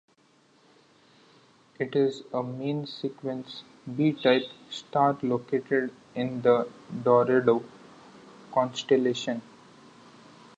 It is a main sequence B-type star located in the Dorado constellation.